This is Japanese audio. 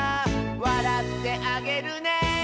「わらってあげるね」